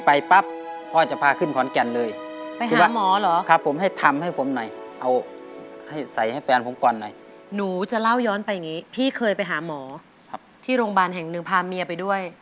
พี่เคยไปหาหมอที่โรงพยาบาลแห่งหนึ่งพาเมียไปด้วย